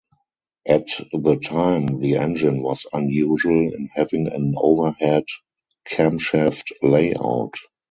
At the time the engine was unusual in having an overhead camshaft layout.